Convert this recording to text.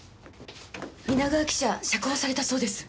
皆川記者釈放されたそうです。